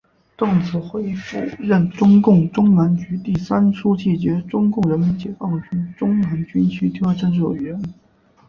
邓子恢当时任中共中南局第三书记兼中国人民解放军中南军区第二政治委员。